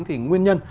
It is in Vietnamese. thì nguyên nhân